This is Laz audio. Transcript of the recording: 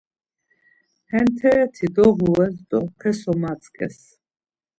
Hentereti doğures do peso matzǩes.